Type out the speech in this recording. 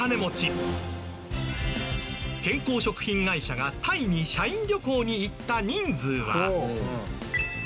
健康食品会社がタイに社員旅行に行った人数は。